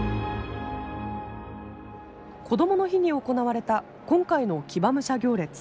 こどもの日に行われた今回の騎馬武者行列。